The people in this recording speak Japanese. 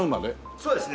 そうですね。